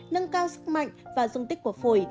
nâng cao sức mạnh và dung tích của phổi